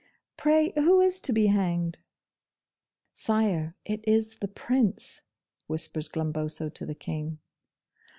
Pray who is to be hanged?' 'Sire, it is the Prince,' whispers Glumboso to the King.